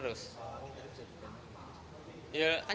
ya kenceng juga kesana ya kan